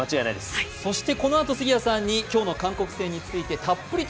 そしてこのあと、杉谷さんに今日の韓国戦についてたっぷりと